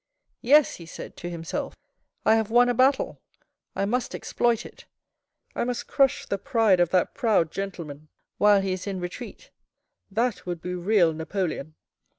" Yes," he said to himself, " I have won a battle. I must exploit it. I must crush the pride of that proud gentleman while he is in retreat. That would be real Napoleon.